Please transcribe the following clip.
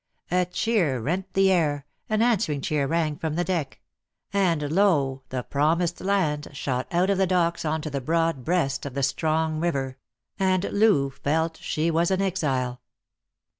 A cheer rent the air, an answering cheer rang from the deck ; and lo, the Promised Land shot out of the Docks on to the broad breast of the strong river ; and Loo felt ehe was an exile.